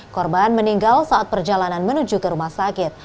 korban meninggal saat perjalanan menuju ke rumah sakit